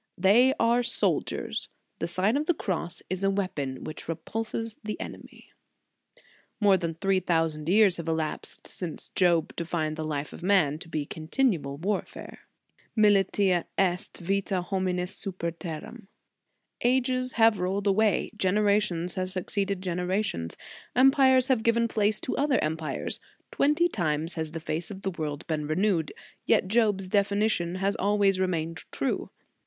THEY ARE SOLDIERS, THE SIGN OF THE CROSS IS A WEAPON WHICH REPULSES THE ENEMY. More than three thousand years have In the Nineteenth Century. 197 elapsed since Job defined the life of man to be a continual warfare: militia est vita hominis super terram. Ages have rolled away, gen erations have succeeded generations, empires have given place to other empires; twenty times has the face of the world been renewed, yet Job s definition has always remained true.